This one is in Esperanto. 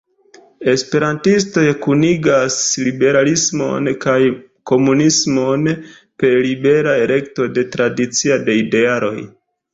Esperantistoj kunigas liberalismon kaj komunumismon per libera elekto de tradicio de idealoj.